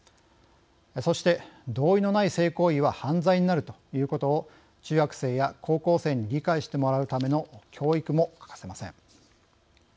そして同意のない性行為は犯罪になるということを中学生や高校生に理解してもらうための教育も欠かせません。